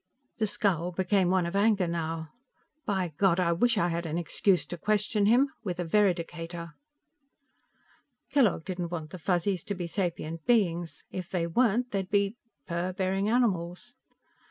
The scowl became one of anger now. "By God, I wish I had an excuse to question him with a veridicator!" Kellogg didn't want the Fuzzies to be sapient beings. If they weren't they'd be ... fur bearing animals.